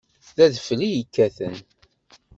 D adfel i yekkaten.